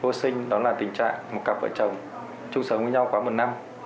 vô sinh đó là tình trạng một cặp vợ chồng chung sống với nhau quá một năm